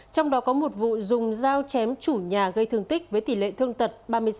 trong đó có một vụ dùng dao chém chủ nhà gây thương tích với tỷ lệ thương tật ba mươi sáu